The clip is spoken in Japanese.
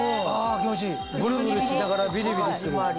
ブルブルしながらビリビリする。